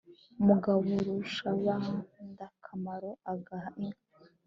mugaburushabandakamaro agaha inka